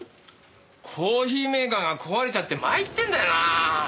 コーヒーメーカーが壊れちゃって参ってんだよなあ。